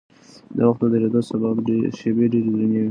د وخت د درېدو شېبې ډېرې درنې وي.